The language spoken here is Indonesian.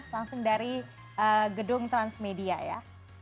langsung dari gedung transmedia ya